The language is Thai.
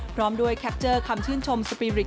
พร้อมด้วยแคปเจอร์คำชื่นชมสปีริต